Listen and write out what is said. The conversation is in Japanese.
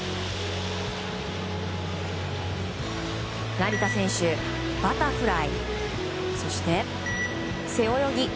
成田選手、バタフライそして、背泳ぎ